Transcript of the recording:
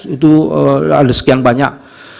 itu ada sekian banyak